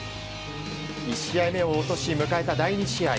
１試合目を落とし迎えた第２試合。